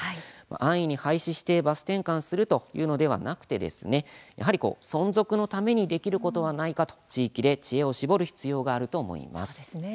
安易に廃止してバス転換するというのではなくて存続のためにできることはないか地域で知恵を絞る必要があると思います。